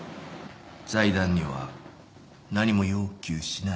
財団には何も要求しない？